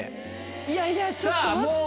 いやいやちょっと待って。